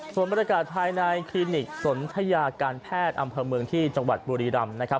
ส่วนบรรยากาศภายในคลินิกสนทยาการแพทย์อำเภอเมืองที่จังหวัดบุรีรำนะครับ